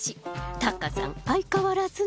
タカさん相変わらずね。